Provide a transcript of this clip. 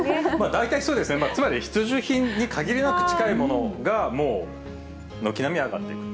大体そうですね、つまり必需品に限りなく近いものが、もう軒並み上がっていくと。